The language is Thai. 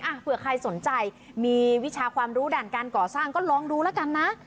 เผื่อใครสนใจมีวิชาความรู้ด่านการก่อสร้างก็ลองดูแล้วกันนะ